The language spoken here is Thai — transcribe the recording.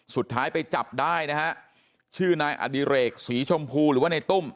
สุดท้ายไปจับได้นะฮะชื่อนายอดิเรกศรีชมพูหรือว่าในตุ้ม